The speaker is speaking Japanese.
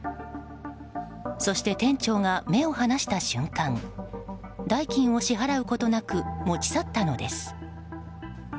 そして、店長が目を離した瞬間代金を支払うことなく持ち去ったのです。